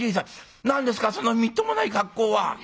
何ですかそのみっともない格好は。